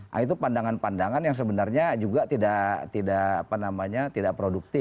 nah itu pandangan pandangan yang sebenarnya juga tidak produktif